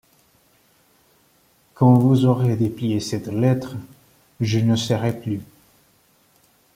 Quand vous aurez déplié cette lettre, je ne serai plus.